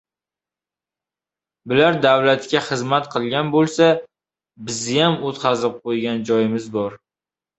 — Bular davlatga xizmat qilgan bo‘lsa, bizziyam o‘tqazib qo‘ygan joyimiz bor.